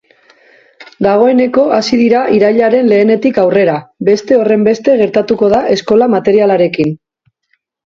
Dagoeneko hasi dira irailaren lehenetik aurrera, beste horrenbeste gertatuko da eskola materialarekin.